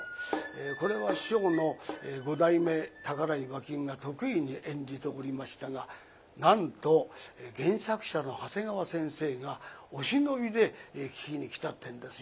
これは師匠の五代目宝井馬琴が得意に演じておりましたがなんと原作者の長谷川先生がお忍びで聞きに来たってんですよ。